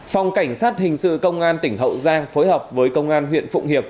phòng cảnh sát hình sự công an tỉnh hậu giang phối hợp với công an huyện phụng hiệp